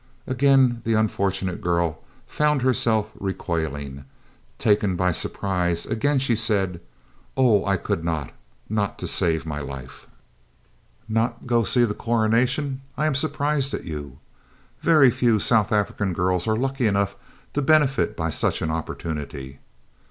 Again the unfortunate girl found herself recoiling, taken by surprise; again she said: "Oh, I could not! Not to save my life!" "Not go to see the Coronation! I am surprised at you. Very few South African girls are lucky enough to benefit by such an opportunity.